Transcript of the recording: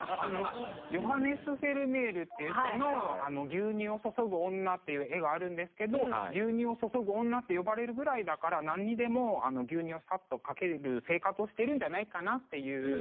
ヨハネス・フェルメールっていう人の「牛乳を注ぐ女」っていう絵があるんですけど「牛乳を注ぐ女」って呼ばれるぐらいだから何にでも牛乳をさっとかける生活をしてるんじゃないかなっていう。